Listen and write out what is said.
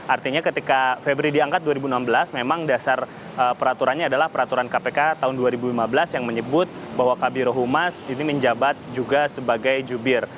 artinya ketika febri diangkat dua ribu enam belas memang dasar peraturannya adalah peraturan kpk tahun dua ribu lima belas yang menyebut bahwa kabiro humas ini menjabat juga sebagai jubir